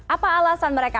apa alasan mereka